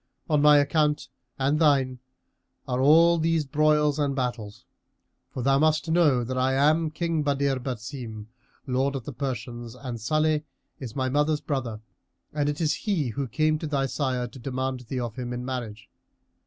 On my account and thine are all these broils and battles; for thou must know that I am King Badr Basim, Lord of the Persians and Salih is my mother's brother and he it is who came to thy sire to demand thee of him in marriage.